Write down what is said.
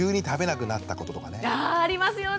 あありますよね！